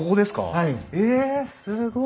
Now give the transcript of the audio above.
はい。